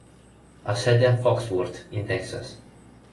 Ha sede a Fort Worth, in Texas.